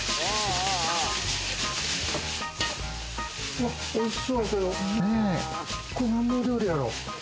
うわ、おいしそうやけど、これ、何の料理やろ？